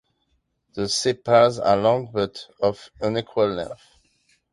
The sepals are long but of unequal lengths.